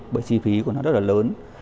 bởi chi phí của nó rất là lớn